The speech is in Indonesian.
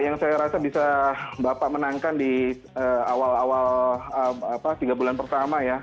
yang saya rasa bisa bapak menangkan di awal awal tiga bulan pertama ya